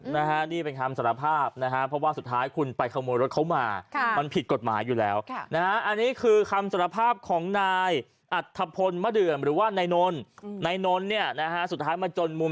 ในคนรู้สึกลึกเลยอ่ะ